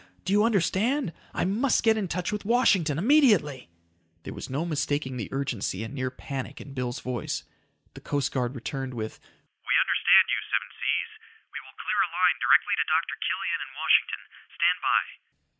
Do you understand? I must get in touch with Washington. Immediately!" There was no mistaking the urgency and near panic in Bill's voice. The Coast Guard returned with "We understand you Seven Seas. We will clear a line directly to Dr. Killian in Washington. Stand by."